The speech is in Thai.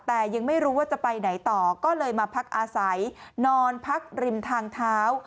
แต่ยังไม่รู้ว่าจะไปไหนต่อก็เลยมาพักอาศัยนอนพักริมทางเท้า